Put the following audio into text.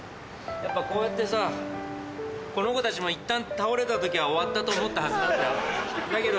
やっぱこうやってさこの子たちもいったん倒れた時は終わったと思ったはずなんだよ。